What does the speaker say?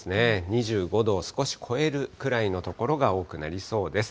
２５度を少し超えるくらいの所が多くなりそうです。